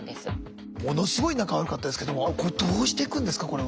ものすごい仲悪かったですけどもこれどうしていくんですか？